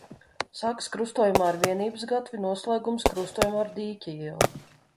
Sākas krustojumā ar Vienības gatvi, noslēgums – krustojumā ar Dīķa ielu.